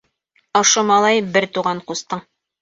— Ошо малай — бер туған ҡустың.